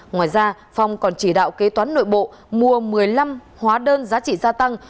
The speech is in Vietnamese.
ngoài ra phong còn chỉ đạo kế toán nội bộ mua một mươi năm hóa đơn giá trị gia tăng